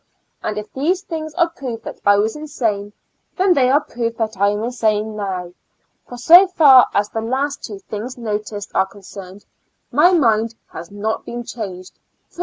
And if these things are proof that I was insane then, they are proof that I am insane now, for so far as the two last things noticed are concerned, my mind has not been changed, viz.